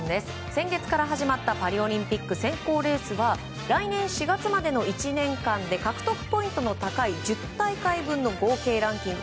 先月から始まったパリオリンピック選考レースは来年４月までの１年間で獲得ポイントの高い１０大会分の合計ランキング